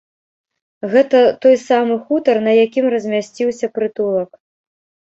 Гэта той самы хутар, на якім размясціўся прытулак.